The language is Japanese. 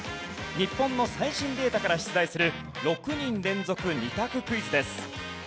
日本の最新データから出題する６人連続２択クイズです。